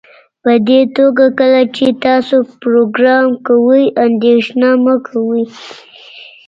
پدې توګه کله چې تاسو پروګرام کوئ اندیښنه مه کوئ